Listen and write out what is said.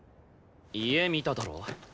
家見ただろ？